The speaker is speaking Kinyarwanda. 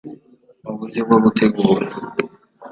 mu buryo bwo gutegura